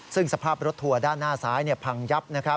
ซึ่งสภาพรถทัวร์ด้านหน้าซ้ายพังยับ